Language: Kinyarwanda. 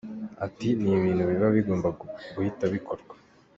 Ati “Ni ibintu biba bigomba guhita bikorwa.